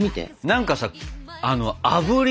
何かさあぶり